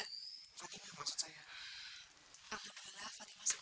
eh fatimah maksud saya